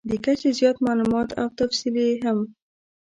بې کچې زیات مالومات او تفصیل یې هم .